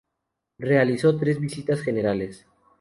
Realizó tres visitas generales.